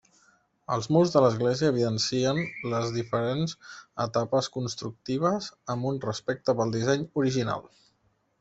Els murs de l'església evidencien les diferents etapes constructives amb un respecte pel disseny original.